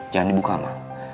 jangan dibuka ma